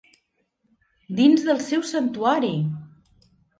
Dins del seu santuari!